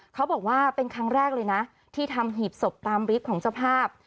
เขาบอกว่าเป็นครั้งแรกเลยนะที่ทำหีบศพตามฤทธิ์ของเจ้าภาพ